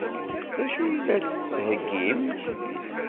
D acu i la s-d-tettheggim?